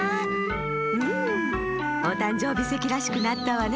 うんおたんじょうびせきらしくなったわね。